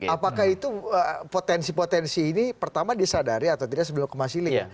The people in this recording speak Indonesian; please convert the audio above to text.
apakah itu potensi potensi ini pertama disadari atau tidak sebelum kemasilin